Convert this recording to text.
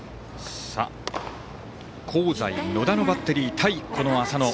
香西、野田のバッテリー対浅野。